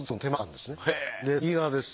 で右側です。